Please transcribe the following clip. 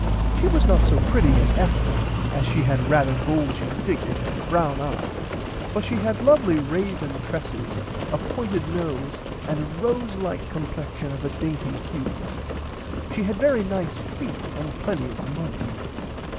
She was not so pretty as Ethel as she had rarther a bulgy figure and brown eyes but she had lovely raven tresses a pointed nose and a rose like complexion of a dainty hue. She had very nice feet and plenty of money.